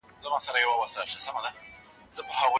احساس ولرئ.